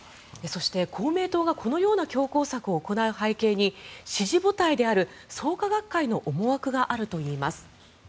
そして、公明党がこのような強硬策を行う背景に支持母体である創価学会の思惑があるといいます。